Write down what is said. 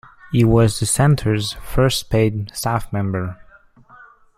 He was the center's first paid staff member.